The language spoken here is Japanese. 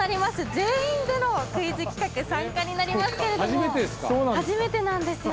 全員でのクイズ企画参加になりますけれども初めてですか？